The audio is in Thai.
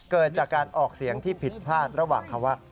เกิดจากการออกเสียงที่ผิดพลาดระหว่างคำว่า